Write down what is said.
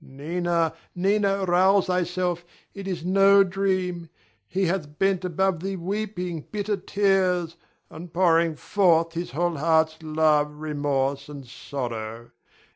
Adrian. Nina! Nina! rouse thyself, it is no dream; he hath bent above thee weeping bitter tears and pouring forth his whole heart's love, remorse, and sorrow.